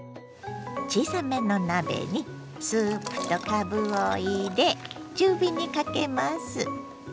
小さめの鍋にスープとかぶを入れ中火にかけます。